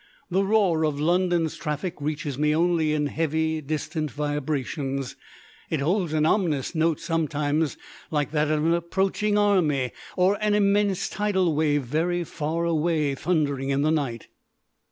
The roar of London's traffic reaches me only in heavy, distant vibrations. It holds an ominous note sometimes, like that of an approaching army, or an immense tidal wave very far away thundering in the night.